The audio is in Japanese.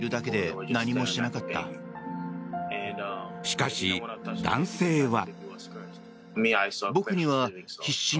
しかし、男性は。